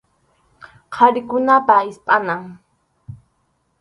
Qharikunapa hispʼanan.